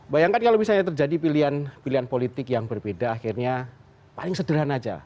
bayangkan kalau misalnya terjadi pilihan pilihan politik yang berbeda akhirnya paling sederhana aja